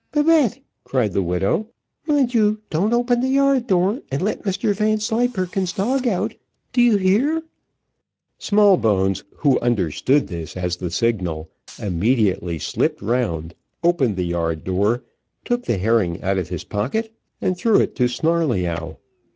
"Babette," cried the widow, "mind you don't open the yard door and let Mr Vanslyperken's dog out. Do you hear?" Smallbones, who understood this as the signal, immediately slipped round, opened the yard door, took the herring out of his pocket, and threw it to Snarleyyow.